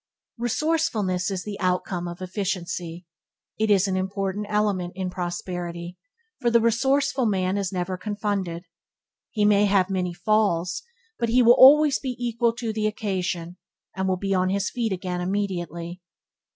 Resourcefulness is the outcome of efficiency. It is an important element in prosperity, for the resourceful man is never confounded. He may have many falls, but he will always be equal to the occasion, and will be on his feet again immediately.